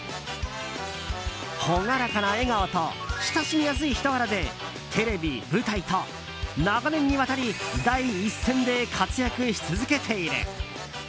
朗らかな笑顔と親しみやすい人柄でテレビ、舞台と長年にわたり第一線で活躍し続けている。